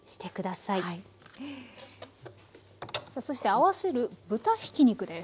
さあそして合わせる豚ひき肉です。